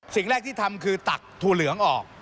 สิ่งแรกที่ทำคือตักถั่วเหลืองออก